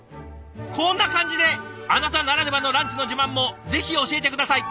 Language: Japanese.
こんな感じであなたならではのランチの自慢もぜひ教えて下さい。